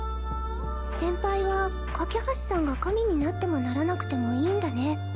先輩は架橋さんが神になってもならなくてもいいんだね